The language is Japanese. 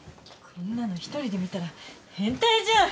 こんなの一人で見たら変態じゃん。